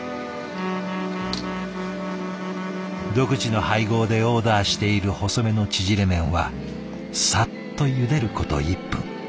独自の配合でオーダーしている細めの縮れ麺はさっとゆでること１分。